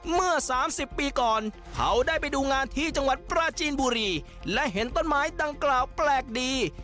เมื่อ๓๐ปีก่อนเขาได้ไปดูงานที่จังหวัดปราจีนบุรีและเห็นต้นไม้ดังกล่าวแปลกดี